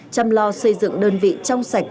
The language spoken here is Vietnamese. chăm lo xây dựng đơn vị trong sạch